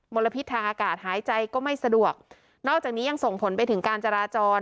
ลพิษทางอากาศหายใจก็ไม่สะดวกนอกจากนี้ยังส่งผลไปถึงการจราจร